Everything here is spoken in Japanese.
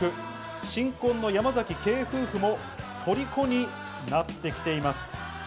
新婚の山崎ケイ夫婦も虜になってきています。